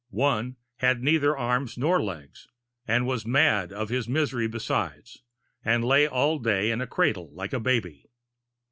One had neither arms nor legs, and was mad of his misery besides, and lay all day in a cradle like a baby.